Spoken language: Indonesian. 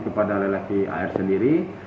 kepada lelaki ar sendiri